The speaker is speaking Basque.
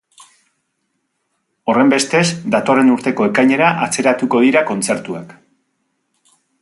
Horrenbestez, datorren urteko ekainera atzeratuko dira kontzertuak.